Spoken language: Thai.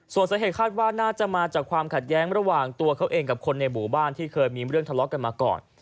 ส่วนสาเหตุคาดว่าน่าจะมาจากความขัดแย้งระหว่างตัวเขาเองกับคนในหมู่บ้านที่เคยมีเรื่องทะเลาะกันมาก่อน